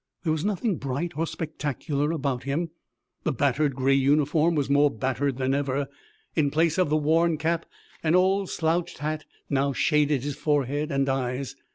There was nothing bright or spectacular about him. The battered gray uniform was more battered than ever. In place of the worn cap an old slouched hat now shaded his forehead and eyes.